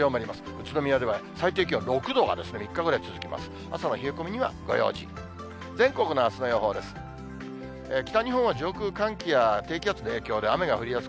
宇都宮では最低気温６度が３日ぐらい続きます。